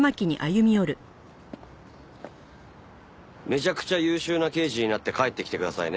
めちゃくちゃ優秀な刑事になって帰ってきてくださいね。